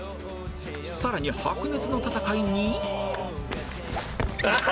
さらに白熱の戦いに